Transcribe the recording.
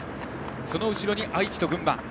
その後ろに愛知と群馬。